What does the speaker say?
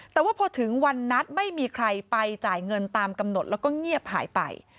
แต่ว่าพอถึงวันนัดไม่มีใครไปจ่ายเงินตามกำหนดแล้วก็เงียบหายไป